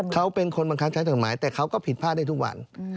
เขาเป็นคนบังคับใช้กฎหมายแต่เขาก็ผิดพลาดได้ทุกวัน